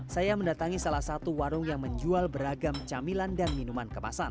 saya mendatangi salah satu warung yang menjual beragam camilan dan minuman kemasan